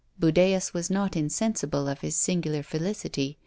Budæus was not insensible of his singular felicity.